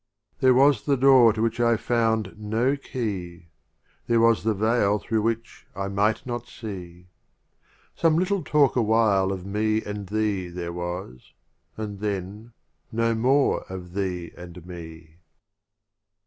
XXXII. There was the Door to which I found no Key; There was the Veil through which I might not see: Some little talk awhile of Me and Thee There was — and then no more of Thee and Me.